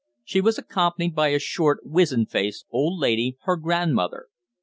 She was accompanied by a short, wizened faced old lady, her grandmother.